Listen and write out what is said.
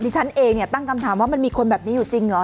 ชั้นเองตั้งกำถามว่ามีคนแบบนี้อยู่จริงหรอ